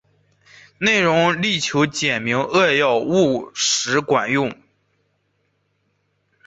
内容力求简明扼要、务实管用